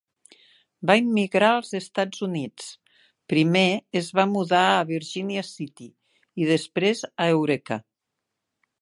Va immigrar als Estats Units. Primer es va mudar a Virginia City i després a Eureka.